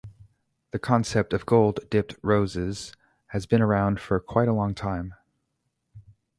The concept of gold dipped roses has been around for quite a long time.